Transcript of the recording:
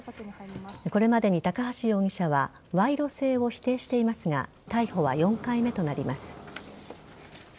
これまでに高橋容疑者は賄賂性を否定していますが逮捕は４回目となります。